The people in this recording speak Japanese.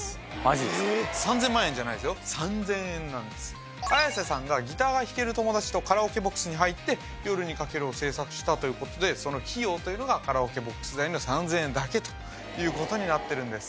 ええＡｙａｓｅさんがギターが弾ける友達とカラオケボックスに入って「夜に駆ける」を制作したということでその費用というのがカラオケボックス代の３０００円だけということになってるんです